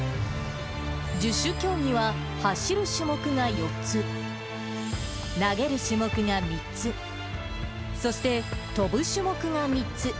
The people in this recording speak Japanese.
十種競技は走る種目が４つ、投げる種目が３つ、そして跳ぶ種目が３つ。